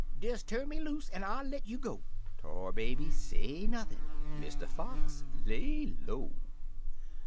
'■" Des turn me loose, an' I'll let you go!" Tar Baby say nothin' — Mr. Fox lay low.